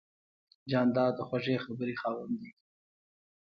جانداد د خوږې خبرې خاوند دی.